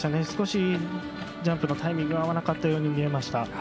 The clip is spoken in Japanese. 少しジャンプのタイミングが合わなかったように見えました。